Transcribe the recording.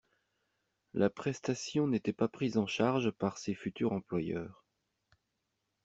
La prestation n’était pas prise en charge par ses futurs employeurs.